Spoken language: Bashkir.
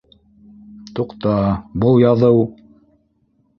Туҡта, был яҙыу